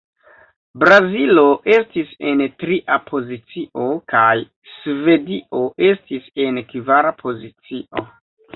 Brazilo estis en tria pozicio, kaj Svedio estis en kvara pozicio.